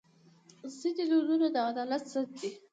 ځینې دودونه د عدالت ضد دي.